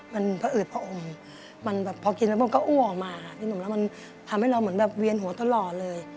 มันพออืดพออมมันแบบพอกินแล้วก็อ้วกออกมามันทำให้เราเหมือนแบบเวียนหัวตลอดเลย